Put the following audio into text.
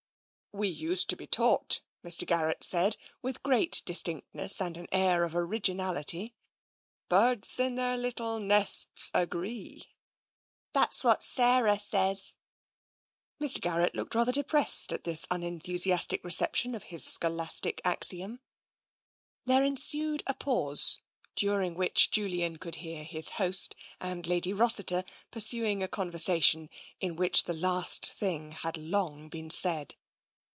"We used to be taught," Mr. Garrett said, with great distinctness and an air of originality, " Birds in their little nests agree." " That's what Sarah says." Mr. Garrett looked rather depressed at this unen thusiastic reception of his scholastic axiom. There ensued a pause, during which Julian could hear his host and Lady Rossiter pursuing a conversa tion in which the last thing had long been said.